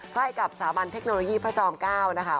ใกล้กับสถาบันเทคโนโลยีพระจอม๙นะคะ